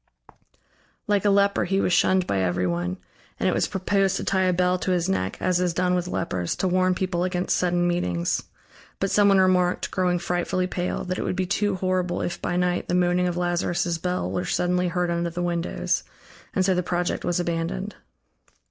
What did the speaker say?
Like a leper he was shunned by everyone, and it was proposed to tie a bell to his neck, as is done with lepers, to warn people against sudden meetings. But someone remarked, growing frightfully pale, that it would be too horrible if by night the moaning of Lazarus' bell were suddenly heard under the windows, and so the project was abandoned.